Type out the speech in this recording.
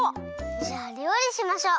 じゃありょうりしましょう。